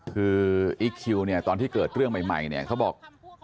คืออิคคิวตอนที่เกิดเรื่องใหม่เขาบอก